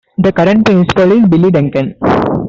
The current principal is Billy Duncan.